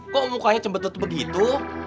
kok mukanya cembetet begitu